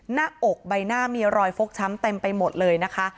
หน้าอกใบหน้ามีรอยฟกช้ำเต็มไปหมดเลยนะคะ